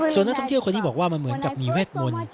ส่วนนักท่องเที่ยวคนที่บอกว่ามันเหมือนกับมีเวทมนต์